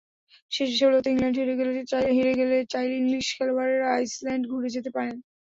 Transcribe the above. শেষ ষোলোতে ইংল্যান্ড হেরে গেলে চাইলে ইংলিশ খেলোয়াড়েরা আইসল্যান্ড ঘুরে যেতে পারেন।